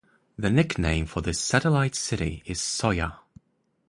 The nickname for this satellite city is Soya.